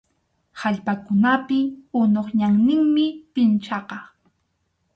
Allpakunapi unup ñanninmi pinchaqa.